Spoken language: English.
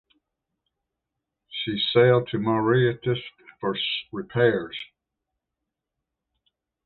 She sailed to Mauritius for repairs.